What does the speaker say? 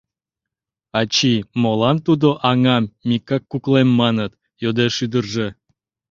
— Ачий, молан тудо аҥам Микак куклем маныт? — йодеш ӱдыржӧ.